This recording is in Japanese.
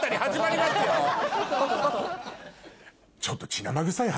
ちょっと。